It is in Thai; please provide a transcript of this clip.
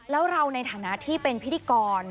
แล้วเราในฐานะที่เป็นพิธีกร